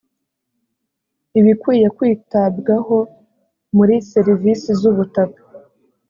ibikwiye kwitabwaho muri serivisi z ubutaka